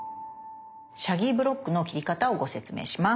シャギーブロックの切り方をご説明します。